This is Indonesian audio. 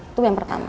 itu yang pertama